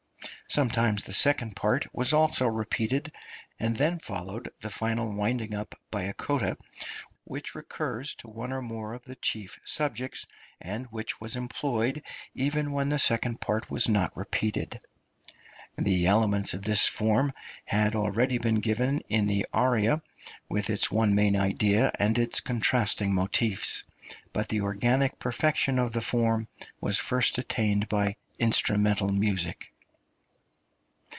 Sometimes the second part was also repeated; and then followed the final winding up by a coda, which recurs to one or more of the chief subjects, and which was employed even when the {THE SYMPHONY.} (293) second part was not repeated. The elements of this form had already been given in the aria, with its one main idea and its contrasting motifs; but the organic perfection of the form was first attained by instrumental music.